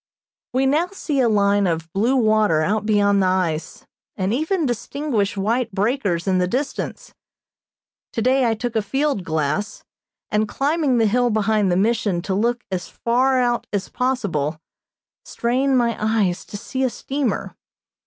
We now see a line of blue water out beyond the ice, and even distinguish white breakers in the distance. Today I took a field glass, and climbing the hill behind the Mission to look as far out as possible, strained my eyes to see a steamer.